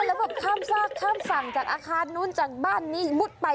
แล้วแบบข้ามซากข้ามฝั่งจากอาคารนู้นจากบ้านนี้มุดไป